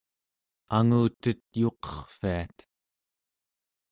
angutet yuqerrviat